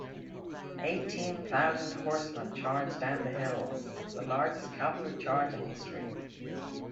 Eighteen thousand horsemen charged down the hills, the largest cavalry charge in history.